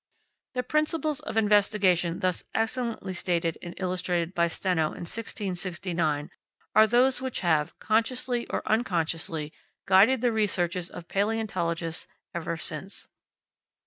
The principles of investigation thus excellently stated and illustrated by Steno in 1669, are those which have, consciously or unconsciously, guided the researches of palaeontologists ever since.